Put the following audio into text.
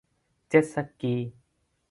เจ็ตสกี